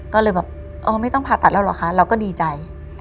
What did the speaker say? ก็เลยแบบอ๋อไม่ต้องผ่าตัดแล้วเหรอคะเราก็ดีใจ